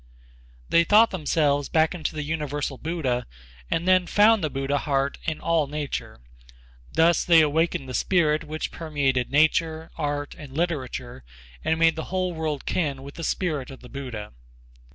They thought themselves back into the universal Buddha and then found the Buddha heart in all nature. Thus they awakened the spirit which permeated nature, art and literature and made the whole world kin with the spirit of the Buddha.